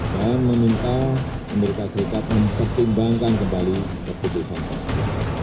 dan meminta amerika serikat menpertimbangkan kembali keputusan pasir